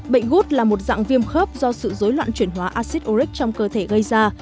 bệnh gút là một dạng viêm khớp do sự dối loạn chuyển hóa acid uric trong cơ thể gây ra